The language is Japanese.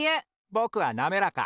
ぼくはなめらか！